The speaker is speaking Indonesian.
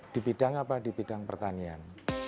di bidang apa di bidang pertanian